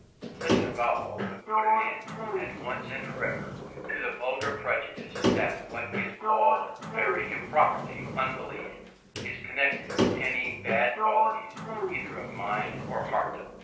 Such an avowal would put an end, at once and for ever, to the vulgar prejudice, that what is called, very improperly, unbelief, is connected with any bad qualities either of mind or heart.